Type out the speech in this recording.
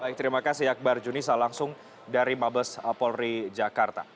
baik terima kasih akbar juni saya langsung dari mabes apolri jakarta